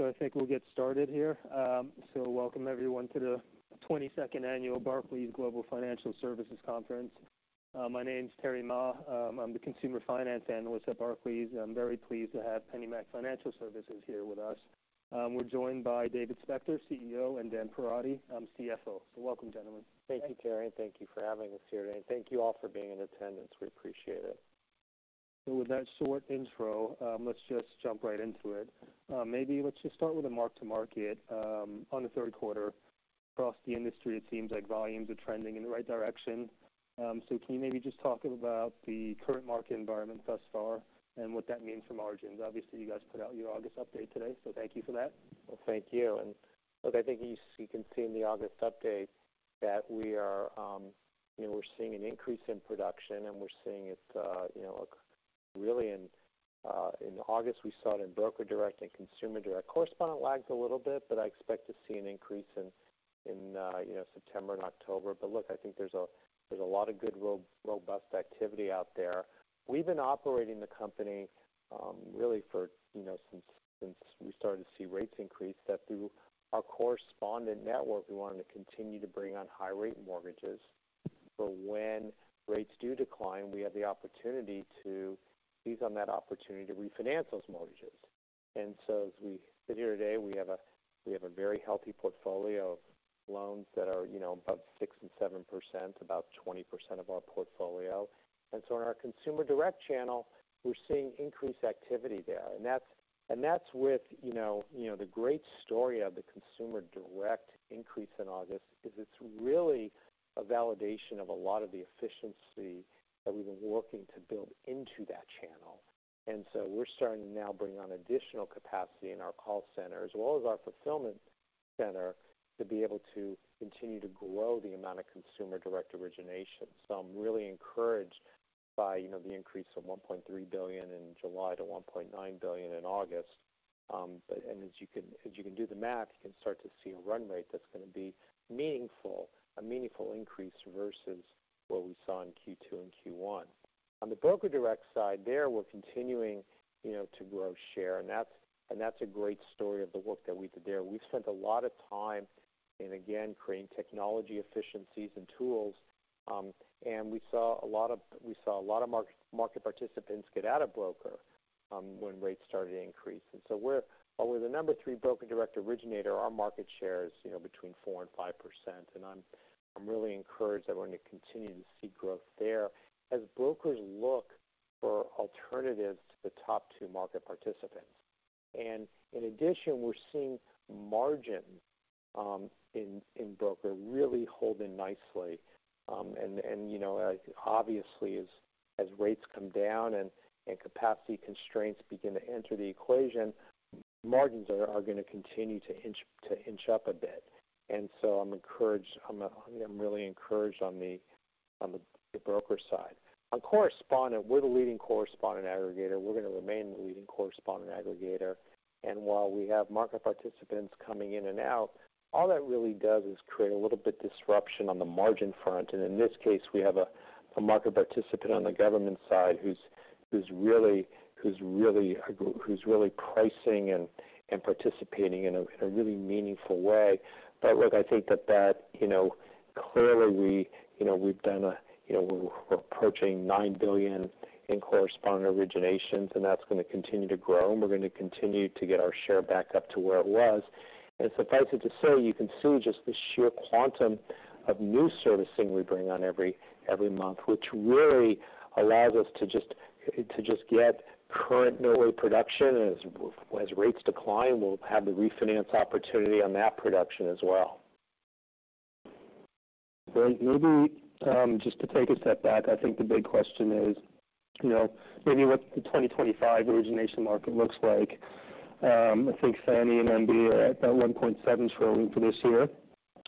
So I think we'll get started here. So welcome everyone, to the 22nd Annual Barclays Global Financial Services Conference. My name is Terry Ma. I'm the consumer finance analyst at Barclays. I'm very pleased to have PennyMac Financial Services here with us. We're joined by David Spector, CEO, and Dan Perotti, CFO. So welcome, gentlemen. Thank you, Terry, and thank you for having us here today. And thank you all for being in attendance. We appreciate it. So with that short intro, let's just jump right into it. Maybe let's just start with a mark-to-market on the third quarter. Across the industry, it seems like volumes are trending in the right direction. So can you maybe just talk about the current market environment thus far and what that means for margins? Obviously, you guys put out your August update today, so thank you for that. Thank you. Look, I think you can see in the August update that we are, you know, we're seeing an increase in production, and we're seeing it, you know, really in August, we saw it in broker direct and consumer direct. Correspondent lagged a little bit, but I expect to see an increase in, you know, September and October. Look, I think there's a lot of good robust activity out there. We've been operating the company, really for, you know, since we started to see rates increase, that through our correspondent network, we wanted to continue to bring on high rate mortgages. So when rates do decline, we have the opportunity to ease on that opportunity to refinance those mortgages. As we sit here today, we have a very healthy portfolio of loans that are, you know, above 6% and 7%, about 20% of our portfolio. In our consumer direct channel, we're seeing increased activity there. That's with, you know, the great story of the consumer direct increase in August, is it's really a validation of a lot of the efficiency that we've been working to build into that channel. We're starting to now bring on additional capacity in our call center, as well as our fulfillment center, to be able to continue to grow the amount of consumer direct origination. I'm really encouraged by, you know, the increase of $1.3 billion in July to $1.9 billion in August. But as you can do the math, you can start to see a run rate that's going to be meaningful, a meaningful increase versus what we saw in Q2 and Q1. On the broker direct side, we're continuing, you know, to grow share. And that's a great story of the work that we did there. We've spent a lot of time, again, creating technology efficiencies and tools. And we saw a lot of market participants get out of broker when rates started to increase. And so we're the number three broker direct originator. Our market share is, you know, between 4% and 5%, and I'm really encouraged that we're going to continue to see growth there as brokers look for alternatives to the top two market participants. In addition, we're seeing margin in broker really holding nicely. And you know, obviously, as rates come down and capacity constraints begin to enter the equation, margins are going to continue to inch up a bit. And so I'm encouraged. I'm really encouraged on the broker side. On correspondent, we're the leading correspondent aggregator. We're going to remain the leading correspondent aggregator. And while we have market participants coming in and out, all that really does is create a little bit disruption on the margin front. And in this case, we have a market participant on the government side who's really pricing and participating in a really meaningful way. But look, I think that, you know, clearly we, you know, we've done a, you know, we're approaching $9 billion in correspondent originations, and that's going to continue to grow, and we're going to continue to get our share back up to where it was. And suffice it to say, you can see just the sheer quantum of new servicing we bring on every month, which really allows us to just to get current non-agency production. And as rates decline, we'll have the refinance opportunity on that production as well. Great. Maybe, just to take a step back, I think the big question is, you know, maybe what the 2025 origination market looks like. I think Fannie and MBA are at about $1.7 trillion for this year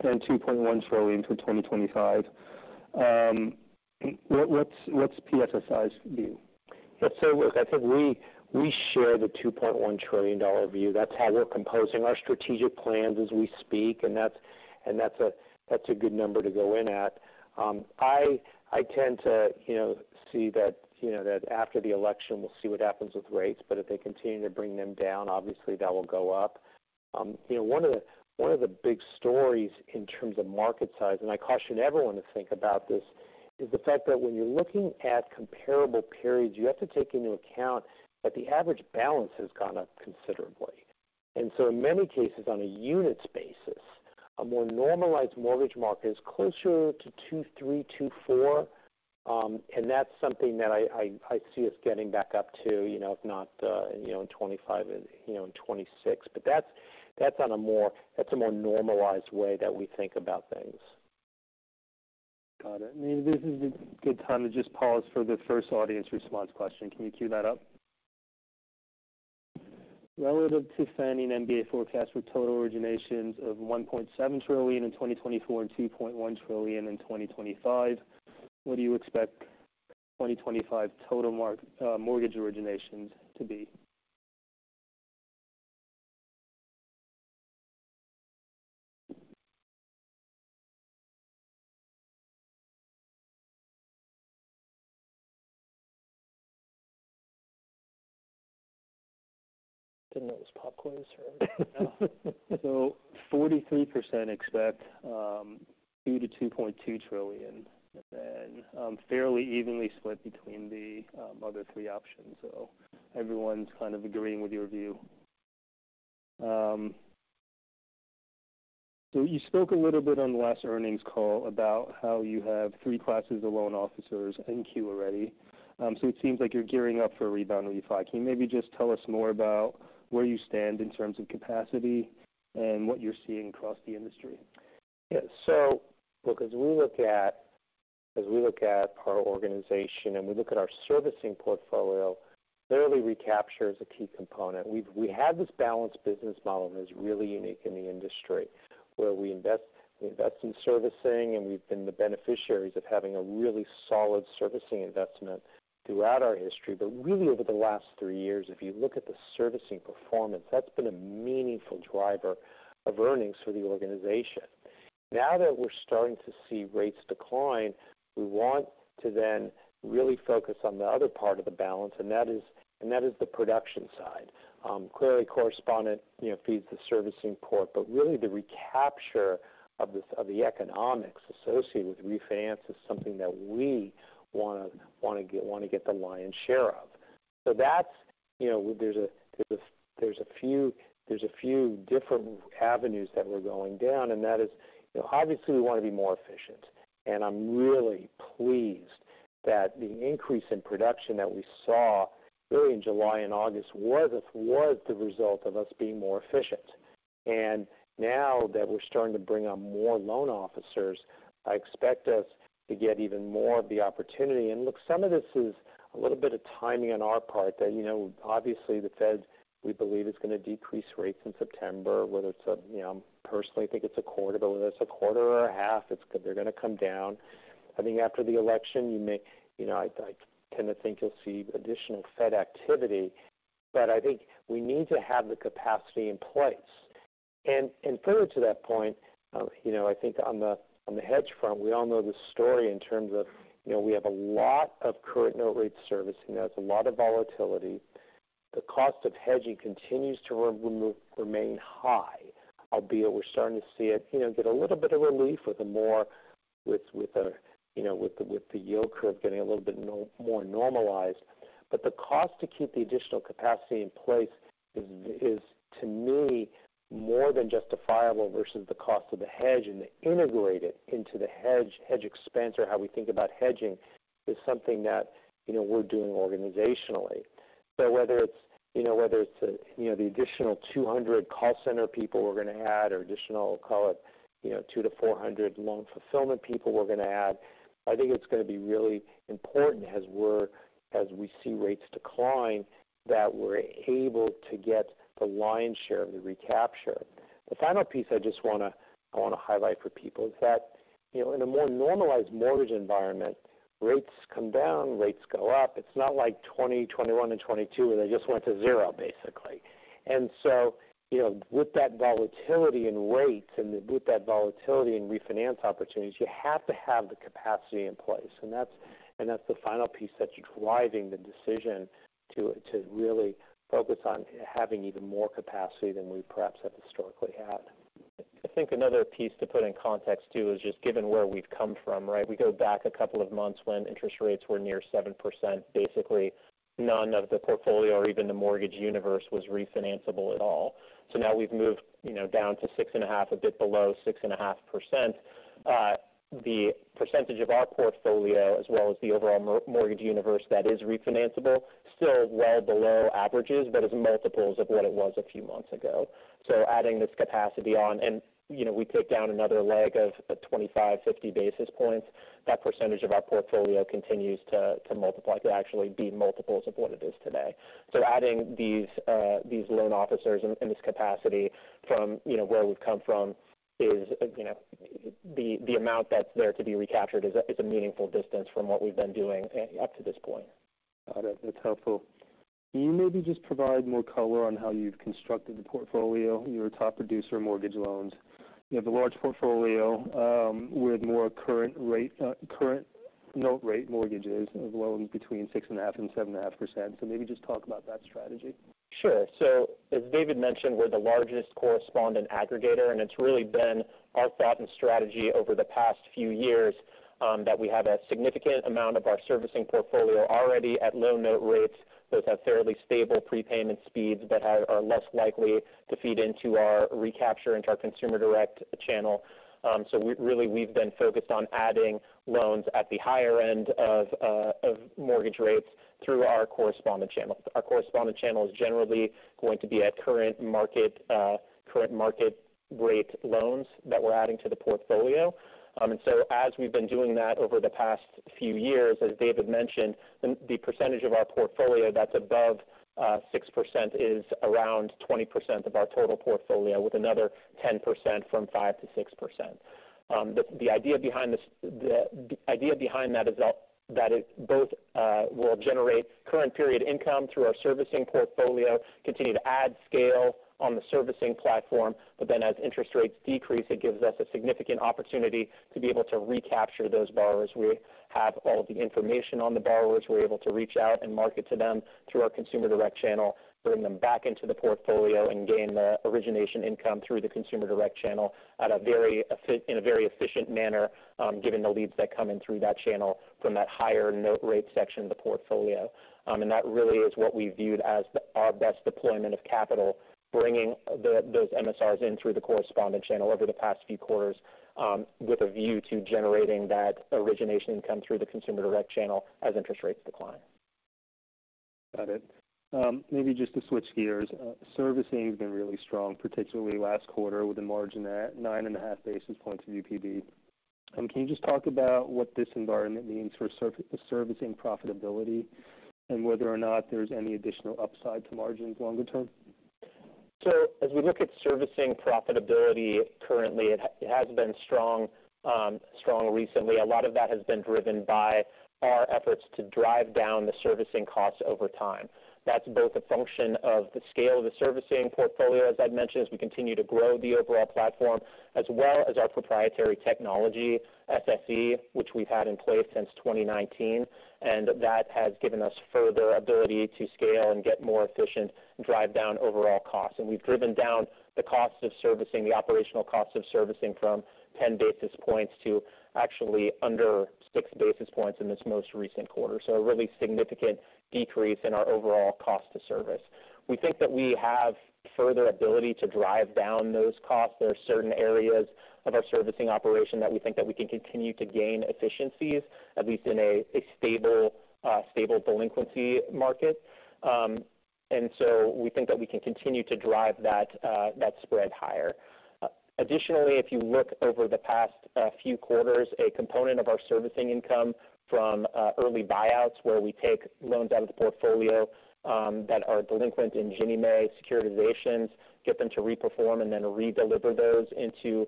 and $2.1 trillion for 2025. What's PFSI's view? Let's say, look, I think we share the $2.1 trillion view. That's how we're composing our strategic plans as we speak, and that's a good number to go in at. I tend to, you know, see that after the election, we'll see what happens with rates, but if they continue to bring them down, obviously that will go up. You know, one of the big stories in terms of market size, and I caution everyone to think about this, is the fact that when you're looking at comparable periods, you have to take into account that the average balance has gone up considerably. So in many cases, on a unit's basis, a more normalized mortgage market is closer to 2.3, 2.4. And that's something that I see us getting back up to, you know, if not, you know, in 2025, and, you know, in 2026. But that's, that's on a more... That's a more normalized way that we think about things. Got it. Maybe this is a good time to just pause for the first audience response question. Can you cue that up? Relative to Fannie and MBA forecast for total originations of $1.7 trillion in 2024 and $2.1 trillion in 2025, what do you expect 2025 total market mortgage originations to be? Didn't know it was popcorn, sorry. So 43% expect $2 trillion-$2.2 trillion, and then fairly evenly split between the other three options. So everyone's kind of agreeing with your view. So you spoke a little bit on the last earnings call about how you have three classes of loan officers in queue already. So it seems like you're gearing up for a rebound refi. Can you maybe just tell us more about where you stand in terms of capacity and what you're seeing across the industry? Yes. So look, as we look at our organization, and we look at our servicing portfolio, clearly recapture is a key component. We've had this balanced business model, and it's really unique in the industry, where we invest in servicing, and we've been the beneficiaries of having a really solid servicing investment throughout our history. But really, over the last three years, if you look at the servicing performance, that's been a meaningful driver of earnings for the organization. Now that we're starting to see rates decline, we want to then really focus on the other part of the balance, and that is the production side. Clearly, correspondent, you know, feeds the servicing portfolio, but really the recapture of the economics associated with refinance is something that we want to get the lion's share of. So that's, you know, there's a few different avenues that we're going down, and that is, you know, obviously, we want to be more efficient. And I'm really pleased that the increase in production that we saw, really in July and August, was the result of us being more efficient. And now that we're starting to bring on more loan officers, I expect us to get even more of the opportunity. Look, some of this is a little bit of timing on our part that, you know, obviously, the Fed, we believe, is going to decrease rates in September, whether it's a, you know, I personally think it's a quarter, but whether it's a quarter or a half, it's, they're going to come down. I think after the election, you may, you know, I kind of think you'll see additional Fed activity, but I think we need to have the capacity in place. Further to that point, you know, I think on the hedge front, we all know the story in terms of, you know, we have a lot of current note rate servicing. That's a lot of volatility. The cost of hedging continues to remain high, albeit we're starting to see it, you know, get a little bit of relief with the yield curve getting a little bit more normalized. But the cost to keep the additional capacity in place is, to me, more than justifiable versus the cost of the hedge, and to integrate it into the hedge expense, or how we think about hedging, is something that, you know, we're doing organizationally. So whether it's, you know, the additional 200 call center people we're going to add or additional, call it, you know, 200-400 loan fulfillment people we're going to add, I think it's going to be really important as we see rates decline, that we're able to get the lion's share of the recapture. The final piece I just want to highlight for people is that, you know, in a more normalized mortgage environment, rates come down, rates go up. It's not like 2020, 2021, and 2022, where they just went to zero, basically. And so, you know, with that volatility in rates and with that volatility in refinance opportunities, you have to have the capacity in place. And that's the final piece that's driving the decision to really focus on having even more capacity than we perhaps have historically had. I think another piece to put in context, too, is just given where we've come from, right? We go back a couple of months when interest rates were near 7%. Basically, none of the portfolio or even the mortgage universe was refinanceable at all. So now we've moved, you know, down to 6.5%, a bit below 6.5%. The percentage of our portfolio, as well as the overall mortgage universe that is refinanceable, still well below averages, but is multiples of what it was a few months ago. So adding this capacity on, and, you know, we take down another leg of a 25, 50 basis points, that percentage of our portfolio continues to multiply, to actually be multiples of what it is today. So adding these loan officers in this capacity from, you know, where we've come from is, you know, the amount that's there to be recaptured is a meaningful distance from what we've been doing up to this point. Got it. That's helpful. Can you maybe just provide more color on how you've constructed the portfolio? You're a top producer of mortgage loans. You have a large portfolio with more current rate current note rate mortgages of loans between 6.5% and 7.5%. So maybe just talk about that strategy. Sure. So as David mentioned, we're the largest correspondent aggregator, and it's really been our thought and strategy over the past few years that we have a significant amount of our servicing portfolio already at low note rates. Those have fairly stable prepayment speeds that are less likely to feed into our recapture, into our consumer direct channel. So really, we've been focused on adding loans at the higher end of mortgage rates through our correspondent channel. Our correspondent channel is generally going to be at current market current market rate loans that we're adding to the portfolio. And so as we've been doing that over the past few years, as David mentioned, the percentage of our portfolio that's above six percent is around 20% of our total portfolio, with another 10% from 5%-6%. The idea behind that is that it both will generate current period income through our servicing portfolio, continue to add scale on the servicing platform, but then as interest rates decrease, it gives us a significant opportunity to be able to recapture those borrowers. We have all the information on the borrowers. We're able to reach out and market to them through our consumer direct channel, bring them back into the portfolio, and gain the origination income through the consumer direct channel at a very efficient manner, given the leads that come in through that channel from that higher note rate section of the portfolio. That really is what we viewed as our best deployment of capital, bringing those MSRs in through the correspondent channel over the past few quarters, with a view to generating that origination income through the consumer direct channel as interest rates decline.... Got it. Maybe just to switch gears, servicing has been really strong, particularly last quarter, with a margin at 9.5 basis points of UPB. Can you just talk about what this environment means for the servicing profitability, and whether or not there's any additional upside to margins longer term? As we look at servicing profitability currently, it has been strong, strong recently. A lot of that has been driven by our efforts to drive down the servicing costs over time. That's both a function of the scale of the servicing portfolio, as I'd mentioned, as we continue to grow the overall platform, as well as our proprietary technology, SSE, which we've had in place since twenty nineteen. And that has given us further ability to scale and get more efficient and drive down overall costs. And we've driven down the cost of servicing, the operational cost of servicing, from 10 basis points to actually under six basis points in this most recent quarter. So a really significant decrease in our overall cost to service. We think that we have further ability to drive down those costs. There are certain areas of our servicing operation that we think that we can continue to gain efficiencies, at least in a stable delinquency market. And so we think that we can continue to drive that spread higher. Additionally, if you look over the past few quarters, a component of our servicing income from early buyouts, where we take loans out of the portfolio that are delinquent in Ginnie Mae securitizations, get them to reperform and then redeliver those into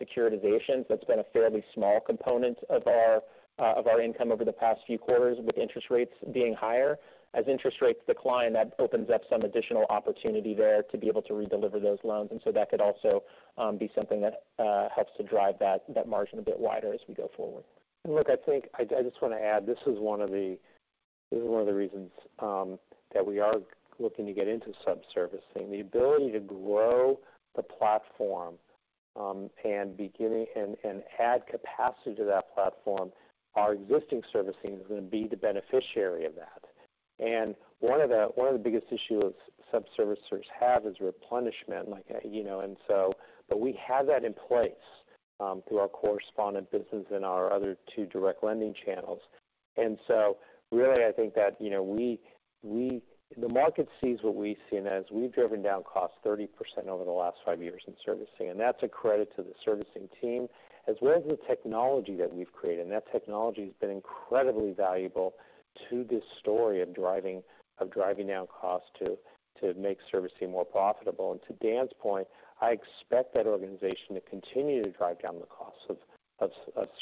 securitizations. That's been a fairly small component of our income over the past few quarters, with interest rates being higher. As interest rates decline, that opens up some additional opportunity there to be able to redeliver those loans, and so that could also be something that helps to drive that margin a bit wider as we go forward. Look, I think I just want to add, this is one of the reasons that we are looking to get into subservicing. The ability to grow the platform and add capacity to that platform, our existing servicing is going to be the beneficiary of that. One of the biggest issue of subservicers have is replenishment, like, you know, but we have that in place through our correspondent business and our other two direct lending channels. So really, I think that, you know, we the market sees what we've seen as we've driven down costs 30% over the last five years in servicing, and that's a credit to the servicing team, as well as the technology that we've created. And that technology has been incredibly valuable to this story of driving down costs to make servicing more profitable. And to Dan's point, I expect that organization to continue to drive down the costs of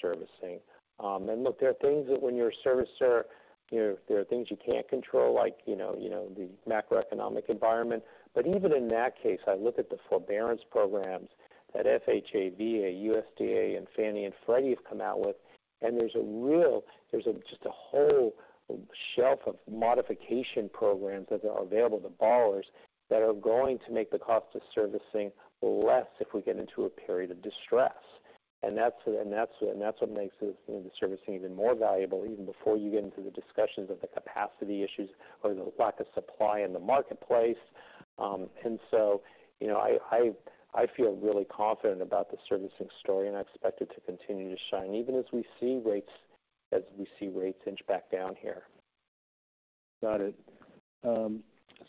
servicing. And look, there are things that when you're a servicer, you know, there are things you can't control, like, you know, you know, the macroeconomic environment. But even in that case, I look at the forbearance programs that FHA, VA, USDA, and Fannie and Freddie have come out with, and there's just a whole shelf of modification programs that are available to borrowers that are going to make the cost of servicing less if we get into a period of distress. That's what makes the servicing even more valuable, even before you get into the discussions of the capacity issues or the lack of supply in the marketplace. And so, you know, I feel really confident about the servicing story, and I expect it to continue to shine, even as we see rates inch back down here. Got it.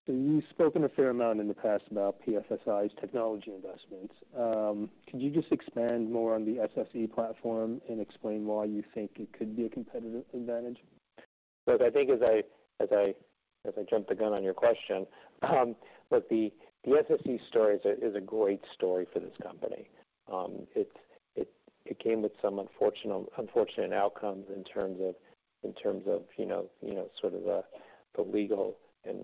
So you've spoken a fair amount in the past about PFSI's technology investments. Could you just expand more on the SSE platform and explain why you think it could be a competitive advantage? Look, I think as I jumped the gun on your question, but the SSE story is a great story for this company. It came with some unfortunate outcomes in terms of, you know, sort of, the legal and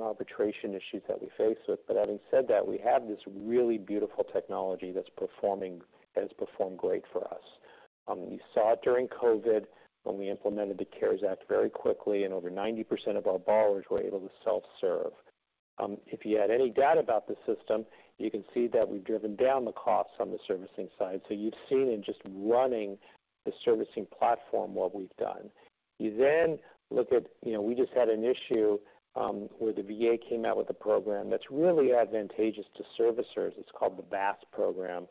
arbitration issues that we faced with, but having said that, we have this really beautiful technology that's performing, that has performed great for us. You saw it during COVID, when we implemented the CARES Act very quickly, and over 90% of our borrowers were able to self-serve. If you had any doubt about the system, you can see that we've driven down the costs on the servicing side, so you've seen in just running the servicing platform, what we've done. You then look at, you know, we just had an issue, where the VA came out with a program that's really advantageous to servicers. It's called the VASP program.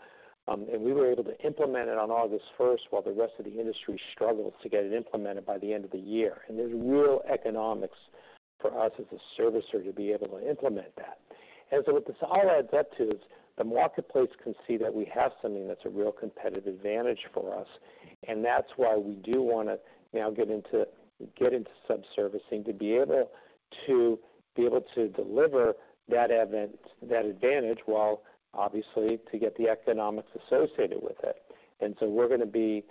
And we were able to implement it on August first, while the rest of the industry struggled to get it implemented by the end of the year. There's real economics for us as a servicer to be able to implement that. So what this all adds up to is, the marketplace can see that we have something that's a real competitive advantage for us, and that's why we do want to now get into sub-servicing, to be able to deliver that advantage, while obviously to get the economics associated with it. And so we're going to be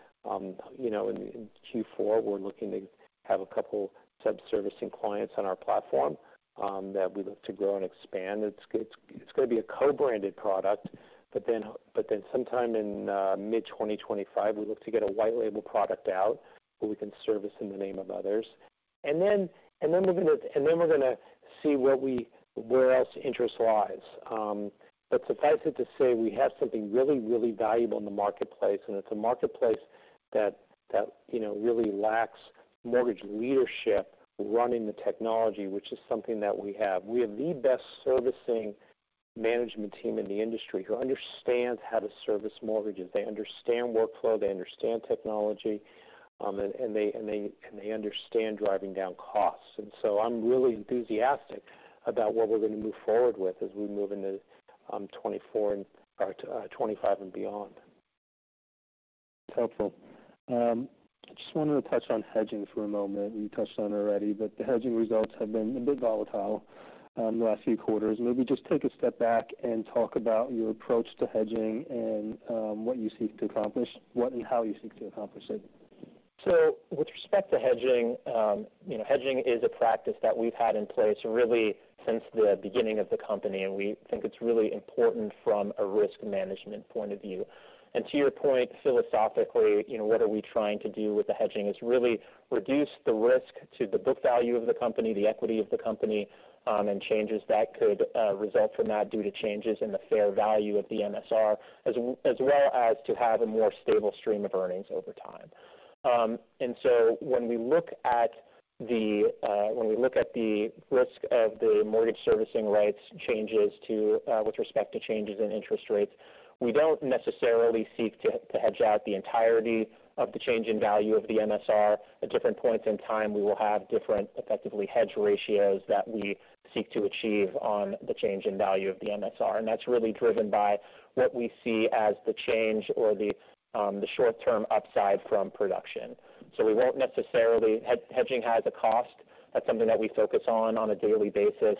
you know in Q4 we're looking to have a couple sub-servicing clients on our platform that we look to grow and expand. It's going to be a co-branded product, but then sometime in mid-2025 we look to get a white label product out, where we can service in the name of others. And then we're going to see where else interest lies. But suffice it to say, we have something really really valuable in the marketplace, and it's a marketplace that you know really lacks mortgage leadership running the technology, which is something that we have. We have the best servicing management team in the industry who understands how to service mortgages. They understand workflow, they understand technology, and they understand driving down costs, and so I'm really enthusiastic about what we're going to move forward with as we move into 2024 or 2025 and beyond. Helpful. I just wanted to touch on hedging for a moment. You touched on it already, but the hedging results have been a bit volatile, the last few quarters. Maybe just take a step back and talk about your approach to hedging and what you seek to accomplish, what and how you seek to accomplish it. So with respect to hedging, you know, hedging is a practice that we've had in place really since the beginning of the company, and we think it's really important from a risk management point of view, and to your point, philosophically, you know, what are we trying to do with the hedging? Is really reduce the risk to the book value of the company, the equity of the company, and changes that could result from that due to changes in the fair value of the MSR, as well as to have a more stable stream of earnings over time. And so when we look at the risk of the mortgage servicing rights changes to with respect to changes in interest rates, we don't necessarily seek to hedge out the entirety of the change in value of the MSR. At different points in time, we will have different, effectively, hedge ratios that we seek to achieve on the change in value of the MSR, and that's really driven by what we see as the change or the short-term upside from production. So we won't necessarily. Hedging has a cost. That's something that we focus on a daily basis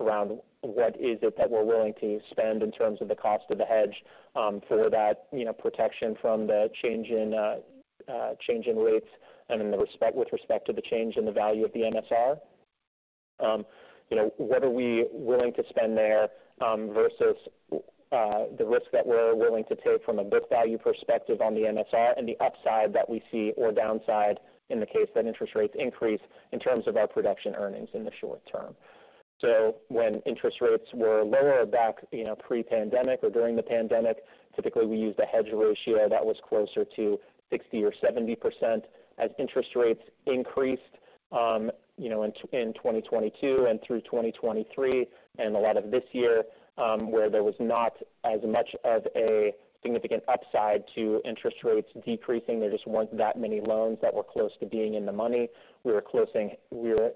around what is it that we're willing to spend in terms of the cost of the hedge for that, you know, protection from the change in rates and with respect to the change in the value of the MSR. You know, what are we willing to spend there versus the risk that we're willing to take from a book value perspective on the MSR and the upside that we see, or downside in the case that interest rates increase, in terms of our production earnings in the short term. When interest rates were lower back, you know, pre-pandemic or during the pandemic, typically we used a hedge ratio that was closer to 60% or 70%. As interest rates increased, you know, in 2022 and through 2023, and a lot of this year, where there was not as much of a significant upside to interest rates decreasing, there just weren't that many loans that were close to being in the money. We were attempting to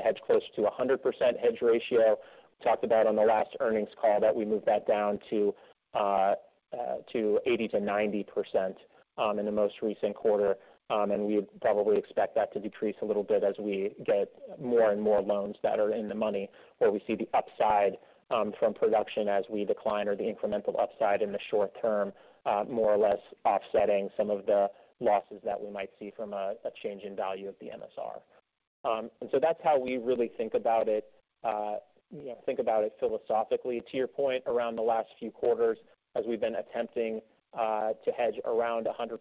hedge close to a 100% hedge ratio. Talked about on the last earnings call that we moved that down to 80%-90%, in the most recent quarter. We would probably expect that to decrease a little bit as we get more and more loans that are in the money, where we see the upside from production as we decline, or the incremental upside in the short term more or less offsetting some of the losses that we might see from a change in value of the MSR, and so that's how we really think about it, you know, think about it philosophically. To your point, around the last few quarters, as we've been attempting to hedge around 100%,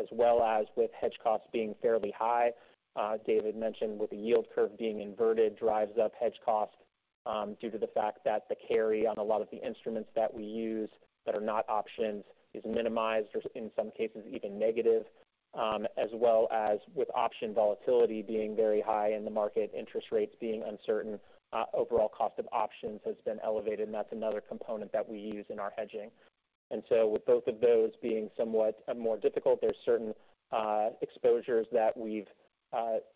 as well as with hedge costs being fairly high, David mentioned with the yield curve being inverted, drives up hedge costs, due to the fact that the carry on a lot of the instruments that we use that are not options is minimized, or in some cases, even negative. As well as with option volatility being very high in the market, interest rates being uncertain, overall cost of options has been elevated, and that's another component that we use in our hedging. And so with both of those being somewhat more difficult, there's certain exposures that we've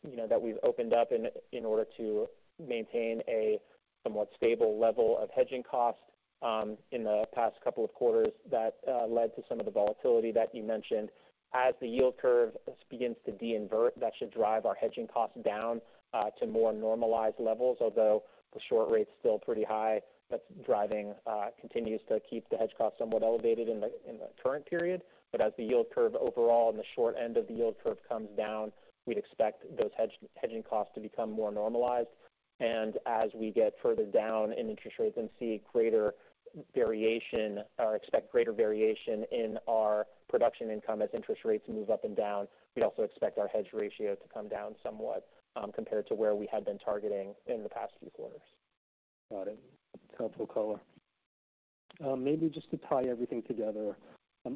you know that we've opened up in order to maintain a somewhat stable level of hedging costs in the past couple of quarters that led to some of the volatility that you mentioned. As the yield curve begins to de-invert, that should drive our hedging costs down to more normalized levels, although the short rate's still pretty high. That's driving continues to keep the hedge costs somewhat elevated in the current period. But as the yield curve overall and the short end of the yield curve comes down, we'd expect those hedging costs to become more normalized. As we get further down in interest rates and see greater variation, or expect greater variation in our production income as interest rates move up and down, we'd also expect our hedge ratio to come down somewhat, compared to where we had been targeting in the past few quarters. Got it. Helpful color. Maybe just to tie everything together,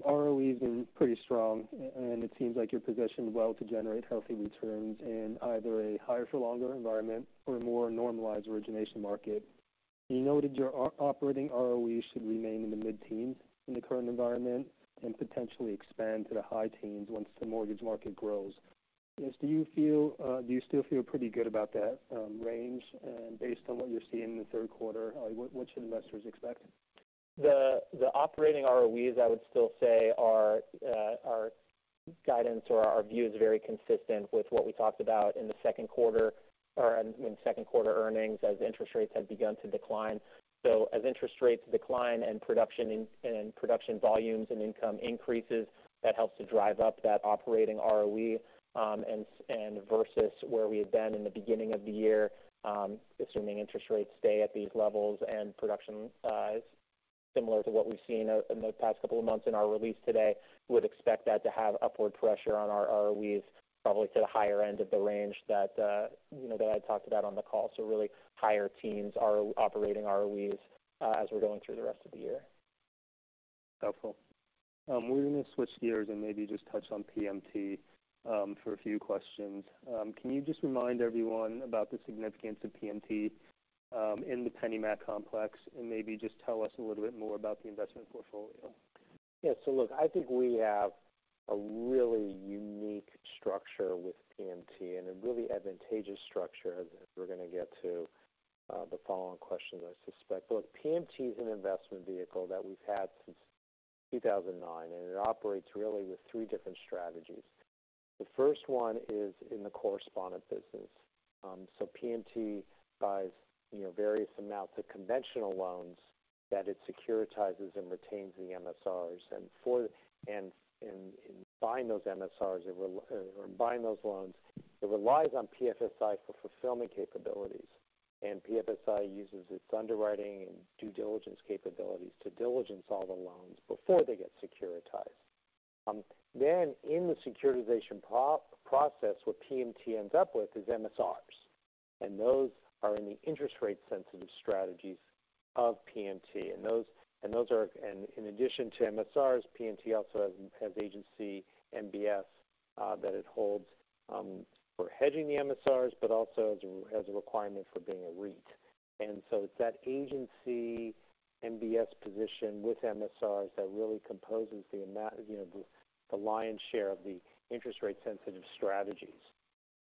ROE has been pretty strong, and it seems like you're positioned well to generate healthy returns in either a higher for longer environment or a more normalized origination market. You noted your operating ROE should remain in the mid-teens in the current environment and potentially expand to the high teens once the mortgage market grows. I guess, do you feel, do you still feel pretty good about that, range? And based on what you're seeing in the third quarter, what should investors expect? The operating ROEs, I would still say, are guidance or our view is very consistent with what we talked about in the second quarter or in second quarter earnings as interest rates had begun to decline. So as interest rates decline and production and production volumes and income increases, that helps to drive up that operating ROE. And versus where we had been in the beginning of the year, assuming interest rates stay at these levels and production is similar to what we've seen in the past couple of months in our release today, would expect that to have upward pressure on our ROEs, probably to the higher end of the range that you know that I talked about on the call. So really, higher teens operating ROEs, as we're going through the rest of the year.... Helpful. We're gonna switch gears and maybe just touch on PMT for a few questions. Can you just remind everyone about the significance of PMT in the PennyMac complex? And maybe just tell us a little bit more about the investment portfolio. Yeah. So look, I think we have a really unique structure with PMT and a really advantageous structure, as we're gonna get to the follow-on questions, I suspect. Look, PMT is an investment vehicle that we've had since two thousand and nine, and it operates really with three different strategies. The first one is in the correspondent business. So PMT buys, you know, various amounts of conventional loans that it securitizes and retains the MSRs. And in buying those MSRs or buying those loans, it relies on PFSI for fulfillment capabilities. And PFSI uses its underwriting and due diligence capabilities to diligence all the loans before they get securitized. Then in the securitization process, what PMT ends up with is MSRs, and those are in the interest rate-sensitive strategies of PMT. And those are and in addition to MSRs, PMT also has agency MBS that it holds for hedging the MSRs, but also as a requirement for being a REIT. And so it's that agency MBS position with MSRs that really composes you know the lion's share of the interest rate-sensitive strategies.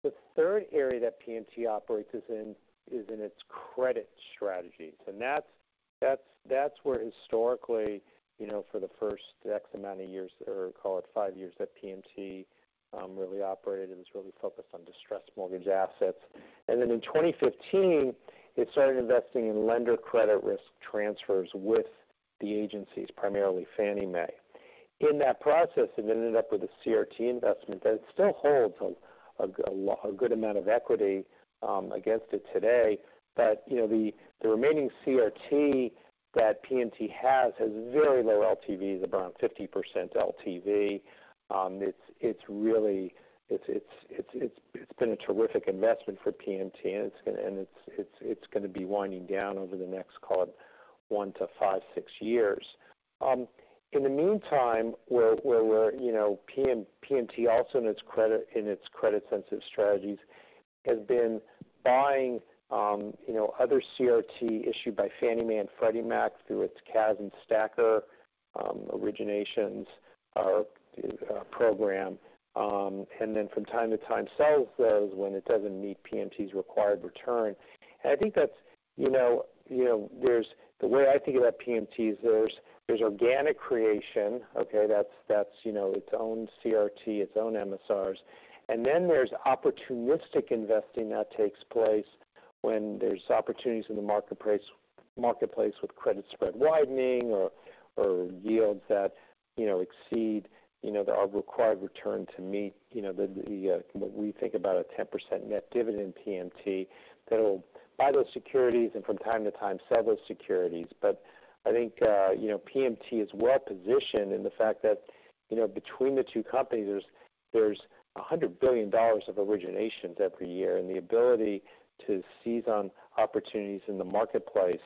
The third area that PMT operates is in its credit strategies, and that's where historically, you know, for the first X amount of years, or call it five years, that PMT really operated and was really focused on distressed mortgage assets. And then in twenty fifteen, it started investing in lender credit risk transfers with the agencies, primarily Fannie Mae. In that process, it ended up with a CRT investment that it still holds a good amount of equity against it today. But, you know, the remaining CRT that PMT has has very low LTVs, around 50% LTV. It's really been a terrific investment for PMT, and it's gonna be winding down over the next, call it one to five, six years. In the meantime, where we're, you know, PMT also in its credit, in its credit-sensitive strategies, has been buying, you know, other CRT issued by Fannie Mae and Freddie Mac through its CAS and STACR originations program, and then from time to time sells those when it doesn't meet PMT's required return. And I think that's, you know, you know, there's the way I think about PMT is there's organic creation, okay? That's, you know, its own CRT, its own MSRs. And then there's opportunistic investing that takes place when there's opportunities in the marketplace with credit spread widening or yields that, you know, exceed, you know, our required return to meet, you know, the what we think about a 10% net dividend PMT, that it'll buy those securities and from time to time sell those securities. But I think, you know, PMT is well positioned in the fact that, you know, between the two companies, there's a $100 billion of originations every year, and the ability to seize on opportunities in the marketplace,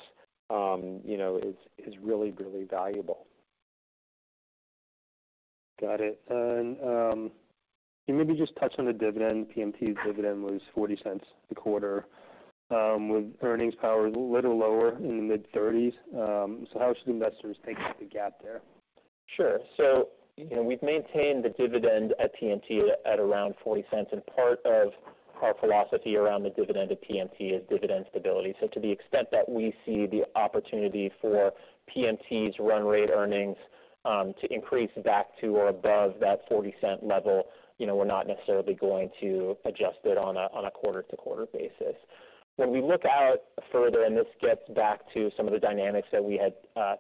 you know, is really, really valuable. Got it. And, can you maybe just touch on the dividend? PMT's dividend was $0.40 a quarter, with earnings power a little lower in the mid-thirties. So how should investors take the gap there? Sure. So, you know, we've maintained the dividend at PMT at around $0.40, and part of our philosophy around the dividend at PMT is dividend stability. So to the extent that we see the opportunity for PMT's run rate earnings to increase back to or above that $0.40 level, you know, we're not necessarily going to adjust it on a quarter-to-quarter basis. When we look out further, and this gets back to some of the dynamics that we had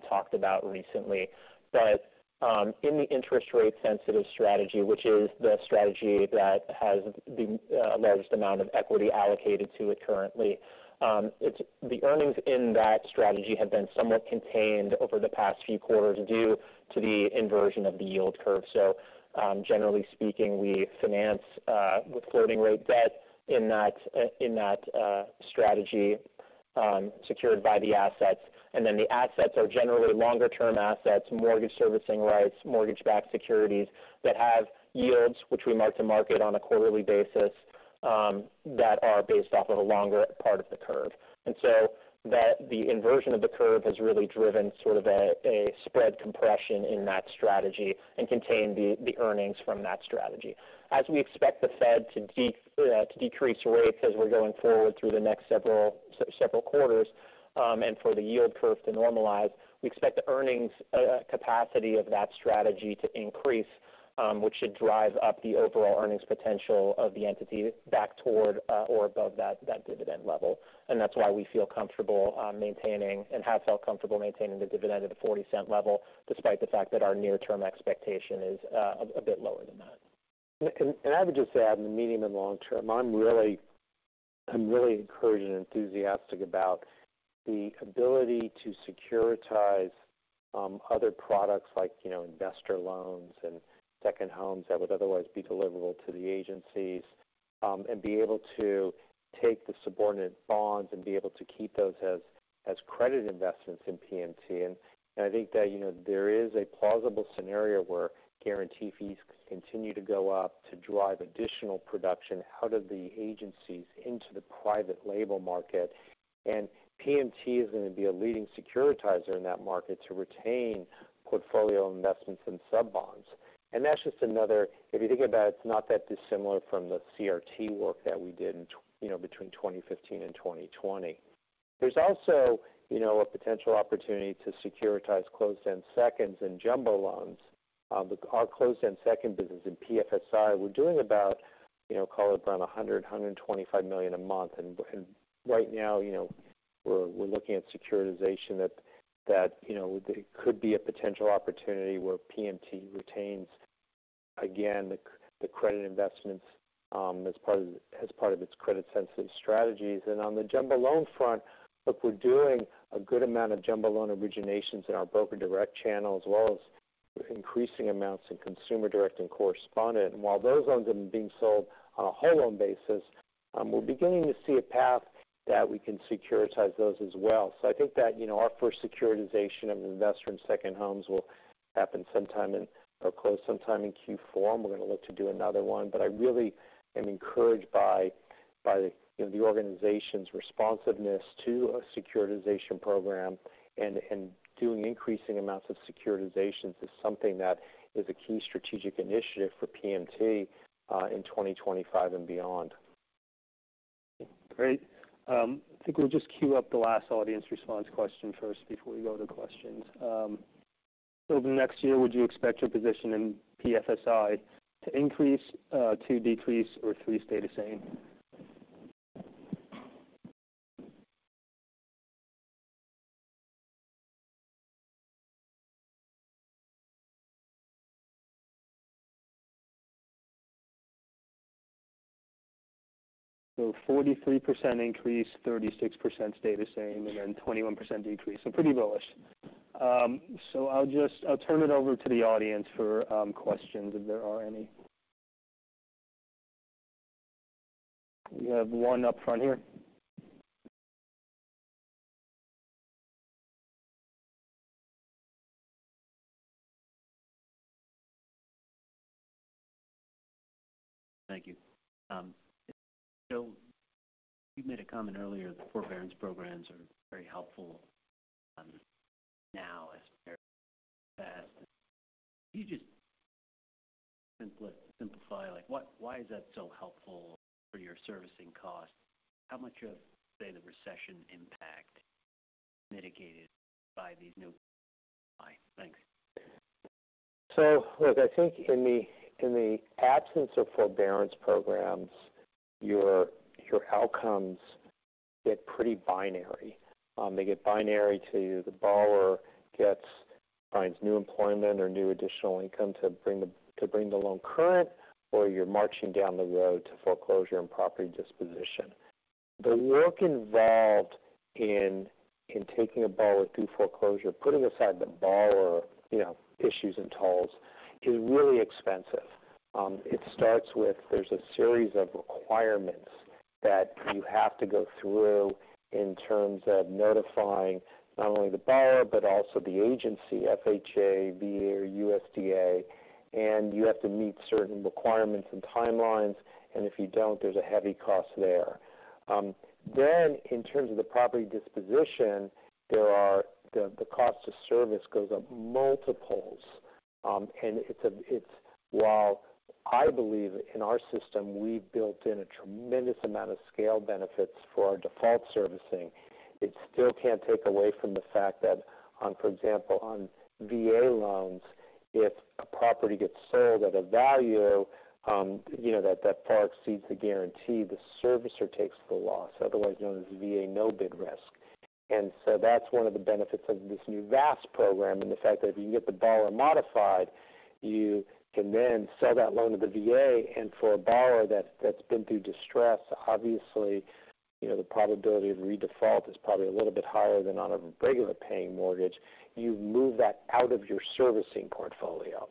talked about recently, but in the interest rate sensitive strategy, which is the strategy that has the largest amount of equity allocated to it currently, it's the earnings in that strategy have been somewhat contained over the past few quarters due to the inversion of the yield curve. So, generally speaking, we finance with floating rate debt in that strategy, secured by the assets. And then the assets are generally longer-term assets, mortgage servicing rights, mortgage-backed securities that have yields which we mark-to-market on a quarterly basis, that are based off of a longer part of the curve. And so, the inversion of the curve has really driven sort of a spread compression in that strategy and contained the earnings from that strategy. As we expect the Fed to decrease rates as we're going forward through the next several quarters, and for the yield curve to normalize, we expect the earnings capacity of that strategy to increase, which should drive up the overall earnings potential of the entity back toward or above that dividend level. That's why we feel comfortable maintaining and have felt comfortable maintaining the dividend at a $0.40 level, despite the fact that our near-term expectation is a bit lower than that. I would just add, in the medium and long term, I'm really encouraged and enthusiastic about the ability to securitize other products like, you know, investor loans and second homes that would otherwise be deliverable to the agencies, and be able to take the subordinate bonds and be able to keep those as credit investments in PMT. And I think that, you know, there is a plausible scenario where guarantee fees could continue to go up to drive additional production out of the agencies into the private label market. And PMT is going to be a leading securitizer in that market to retain portfolio investments and sub bonds. And that's just another, if you think about it, it's not that dissimilar from the CRT work that we did you know, between twenty fifteen and twenty twenty. There's also, you know, a potential opportunity to securitize closed-end seconds in jumbo loans. But our closed-end second business in PFSI, we're doing about, you know, call it around a hundred and twenty-five million a month. And right now, you know, we're looking at securitization that, you know, it could be a potential opportunity where PMT retains, again, the credit investments, as part of its credit-sensitive strategies. And on the jumbo loan front, look, we're doing a good amount of jumbo loan originations in our broker direct channel, as well as increasing amounts in consumer direct and correspondent. And while those loans are being sold on a whole loan basis, we're beginning to see a path that we can securitize those as well. I think that, you know, our first securitization of investor and second homes will happen sometime in, or close, sometime in Q4. We're going to look to do another one. I really am encouraged by the, you know, the organization's responsiveness to a securitization program, and doing increasing amounts of securitizations is something that is a key strategic initiative for PMT in 2025 and beyond. Great. I think we'll just queue up the last audience response question first before we go to questions. Over the next year, would you expect your position in PFSI to increase, to decrease, or to stay the same? So 43% increase, 36% stay the same, and then 21% decrease. So pretty bullish. So I'll turn it over to the audience for questions, if there are any. We have one up front here. Thank you. So you made a comment earlier that forbearance programs are very helpful, now as compared to the past. Can you just simplify, like, why is that so helpful for your servicing costs? How much of, say, the recession impact mitigated by these new? Thanks. Look, I think in the absence of forbearance programs, your outcomes get pretty binary. They get binary to the borrower, finds new employment or new additional income to bring the loan current, or you're marching down the road to foreclosure and property disposition. The work involved in taking a borrower through foreclosure, putting aside the borrower, you know, issues and tolls, is really expensive. It starts with. There's a series of requirements that you have to go through in terms of notifying not only the borrower, but also the agency, FHA, VA, or USDA, and you have to meet certain requirements and timelines, and if you don't, there's a heavy cost there. Then in terms of the property disposition, the cost to service goes up multiples. While I believe in our system, we've built in a tremendous amount of scale benefits for our default servicing, it still can't take away from the fact that, for example, on VA loans, if a property gets sold at a value you know that far exceeds the guarantee, the servicer takes the loss, otherwise known as VA no-bid risk. And so that's one of the benefits of this new VASP program, and the fact that if you can get the borrower modified, you can then sell that loan to the VA. And for a borrower that's been through distress, obviously you know the probability of redefault is probably a little bit higher than on a regular paying mortgage. You move that out of your servicing portfolio.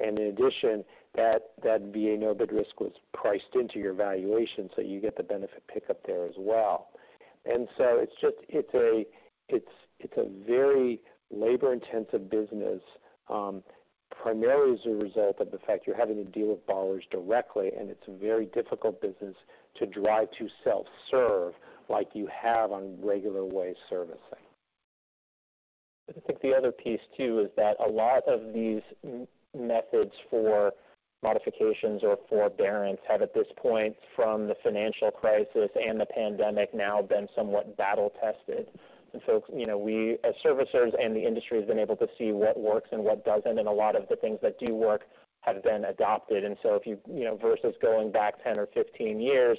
And in addition, that VA no-bid risk was priced into your valuation, so you get the benefit pickup there as well. And so it's just a very labor-intensive business, primarily as a result of the fact you're having to deal with borrowers directly, and it's a very difficult business to drive to self-serve like you have on regular way servicing. I think the other piece, too, is that a lot of these methods for modifications or forbearance have, at this point, from the financial crisis and the pandemic now, been somewhat battle tested, and so, you know, we as servicers and the industry has been able to see what works and what doesn't, and a lot of the things that do work have been adopted, and so if you, you know, versus going back 10 or 15 years,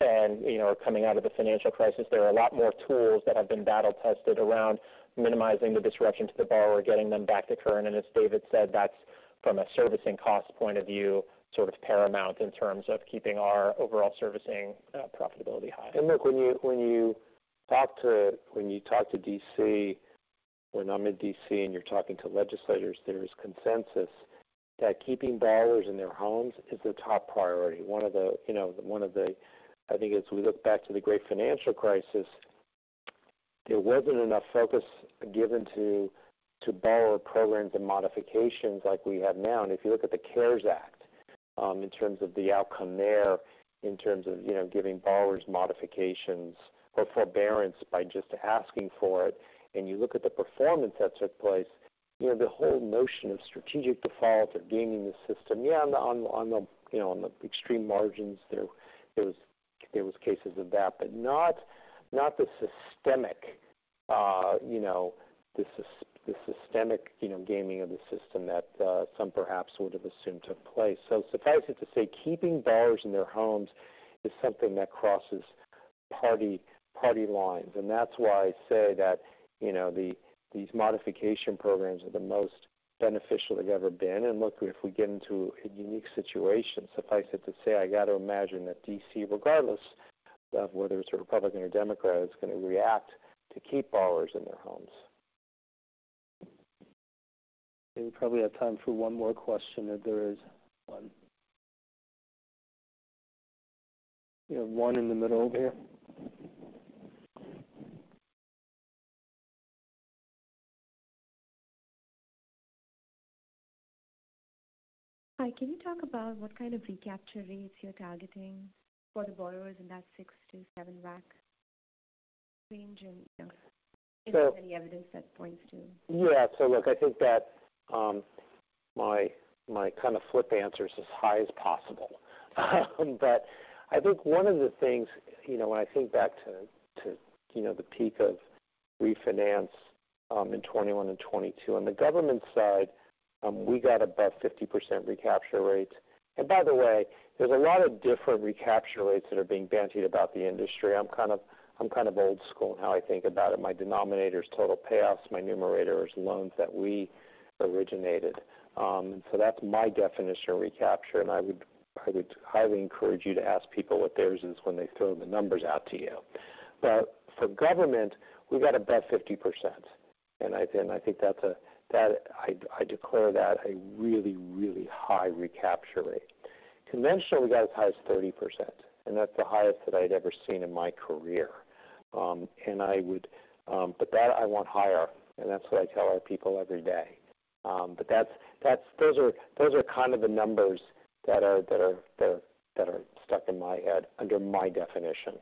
and, you know, coming out of the financial crisis, there are a lot more tools that have been battle tested around minimizing the disruption to the borrower, getting them back to current, and as David said, that's from a servicing cost point of view, sort of paramount in terms of keeping our overall servicing profitability high. Look, when you talk to DC, when I'm in DC and you're talking to legislators, there is consensus that keeping borrowers in their homes is the top priority. One of the, you know, one of the. I think as we look back to the great financial crisis, there wasn't enough focus given to borrower programs and modifications like we have now. And if you look at the CARES Act, in terms of the outcome there, in terms of, you know, giving borrowers modifications or forbearance by just asking for it, and you look at the performance that took place, you know, the whole notion of strategic default or gaming the system, yeah, on the extreme margins, there were cases of that, but not the systemic gaming of the system that some perhaps would have assumed took place. So suffice it to say, keeping borrowers in their homes is something that crosses party lines. And that's why I say that, you know, these modification programs are the most beneficial they've ever been. Look, if we get into a unique situation, suffice it to say, I got to imagine that DC, regardless of whether it's a Republican or Democrat, is going to react to keep borrowers in their homes. We probably have time for one more question, if there is one. We have one in the middle over here. Hi, can you talk about what kind of recapture rates you're targeting for the borrowers in that 6%-7% range? And, you know, is there any evidence that points to? Yeah. So look, I think that my kind of flip answer is as high as possible. But I think one of the things, you know, when I think back to the peak of refinance in 2021 and 2022, on the government side, we got about 50% recapture rates. And by the way, there's a lot of different recapture rates that are being bandied about the industry. I'm kind of old school in how I think about it. My denominator is total payoffs, my numerator is loans that we originated. So that's my definition of recapture, and I would highly encourage you to ask people what theirs is when they throw the numbers out to you. But for government, we've got about 50%, and I think that's that I declare that a really, really high recapture rate. Conventional, we got as high as 30%, and that's the highest that I'd ever seen in my career. And I would but that I want higher, and that's what I tell our people every day. But that's those are kind of the numbers that are stuck in my head under my definition.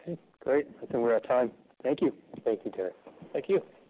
Okay, great. I think we're out of time. Thank you. Thank you, Terry. Thank you.